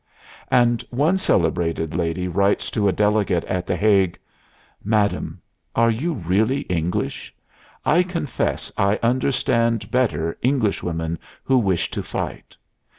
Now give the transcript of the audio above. And one celebrated lady writes to a delegate at The Hague: "Madam, are you really English?... I confess I understand better Englishwomen who wish to fight....